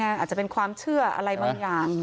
อาจจะเป็นความเชื่ออะไรบางอย่าง